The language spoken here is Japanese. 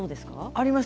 あります。